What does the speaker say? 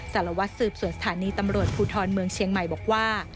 สารวัตรสืบสวนสถานีตำรวจภูทรเมืองเชียงใหม่บอกว่า